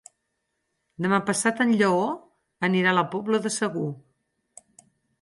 Demà passat en Lleó anirà a la Pobla de Segur.